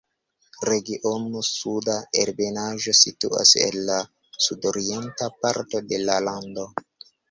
Regiono Suda Ebenaĵo situas en la sudorienta parto de la lando.